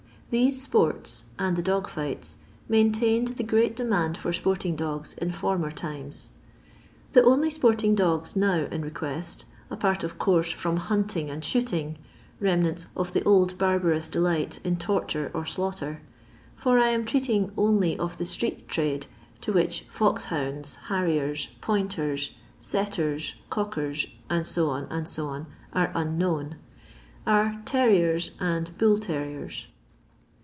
These sports, and the dog fights, maintained the great demand for sporting dogs In former times. The only sporting dogs now in request — apart, of course, from hunting and shooting (renmants of the old barbarous delight in torture or slaughter), for I am treating only of the street trade, to which fox hounds, harriers, pointers, setters, cockers, &c., &c., are unknown — are terriers and bull terriers.